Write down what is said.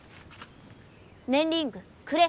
ねんリングくれ。